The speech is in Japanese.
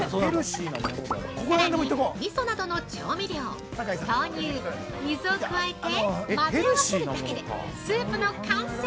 ◆さらに、みそなどの調味料、豆乳、水を加えて、混ぜ合わせるだけでスープの完成。